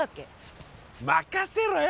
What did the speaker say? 任せろよ。